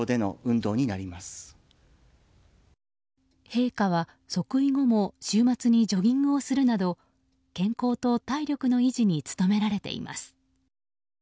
陛下は即位後も週末にジョギングをするなど健康と体力の維持に努められています。